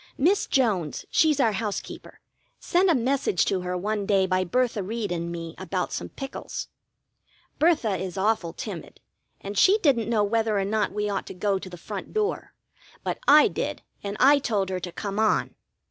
Miss Jones, she's our housekeeper, sent a message to her one day by Bertha Reed and me about some pickles. Bertha is awful timid, and she didn't know whether or not we ought to go to the front door; but I did, and I told her to come on.